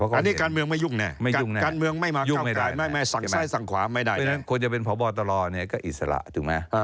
อันนี้การเมืองไม่ยุ่งเนี่ยยุ่งไม่ได้น่ะโดยฉะนั้นคนจะเป็นพบตก็อิสระถูกมั้ย